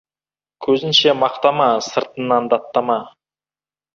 Көзінше мақтама, сыртынан даттама.